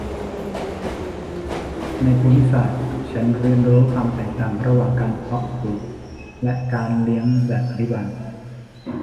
ในภูมิศาสตร์ฉันเรียนรู้ความแตกต่างระหว่างการเพาะปลูกและการเลี้ยงแบบอภิบาล